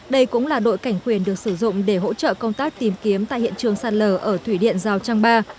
đây cũng là đội cảnh khuyển được sử dụng để hỗ trợ công tác tìm kiếm tại hiện trường sạt lở ở thủy điện giao trang ba